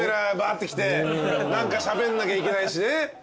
ッて来て何かしゃべんなきゃいけないしね。